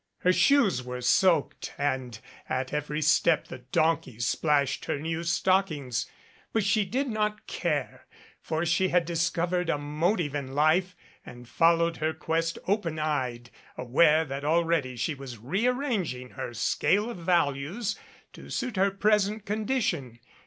Her shoes were soaked and at every step the donkey splashed her new stockings, but she did not care; for she had discovered a motive in life and followed her quest open eyed, aware that already she was rearranging her scale of values to suit her pres ent condition.